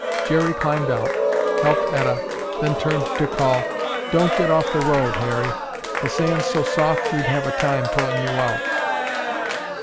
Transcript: Jerry climbed out, helped Etta, then turned to call, "Don't get off the road, Harry. The sand's so soft we'd have a time pulling you out."